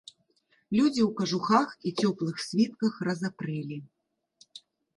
Людзі ў кажухах і цёплых світках разапрэлі.